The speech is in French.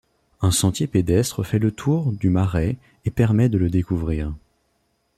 Un sentier pédestre fait le tour du marais et permet de le découvrir.